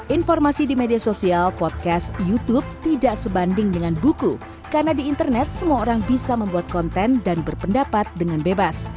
informasi di media sosial podcast youtube tidak sebanding dengan buku karena di internet semua orang bisa membuat konten dan berpendapat dengan bebas